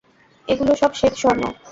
এগুলো সব শ্বেত-স্বর্ণ।